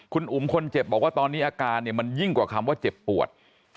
คุณอุ๋มคนเจ็บบอกว่าตอนนี้อาการเนี่ยมันยิ่งกว่าคำว่าเจ็บปวด